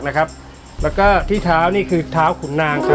แล้วก็ที่เท้านี่คือเท้าขุนนางครับ